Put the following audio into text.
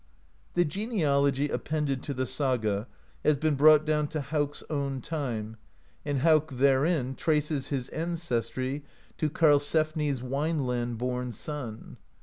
The genealogy appended to the saga has been brought down to Hauk's own time, and Hauk therein traces his ancestry to Karlsefni's Wineland born son.